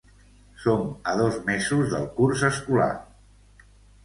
Som a dos mesos del curs escolar.